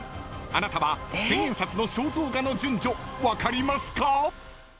あなたは千円札の肖像画の順序分かりますか？